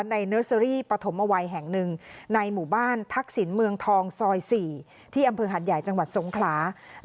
เนอร์เซอรี่ปฐมเอาไว้แห่งหนึ่งในหมู่บ้านทักษิณเมืองทองซอย๔ที่อำเภอหัดใหญ่จังหวัดสงขลา